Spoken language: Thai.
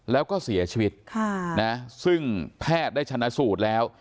แล้วก็เสียชีวิตซึ่งแพทย์ได้ชนะสูตรแล้ว